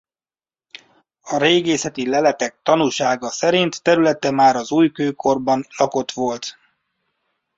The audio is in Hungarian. A régészeti leletek tanúsága szerint területe már az újkőkorban lakott volt.